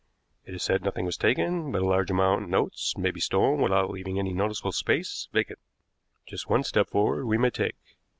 It is said nothing was taken, but a large amount in notes may be stolen without leaving any noticeable space vacant. Just one step forward we may take.